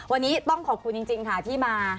วันนี้ต้องขอบคุณจริงค่ะที่มา